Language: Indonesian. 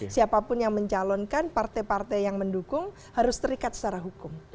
siapapun yang mencalonkan partai partai yang mendukung harus terikat secara hukum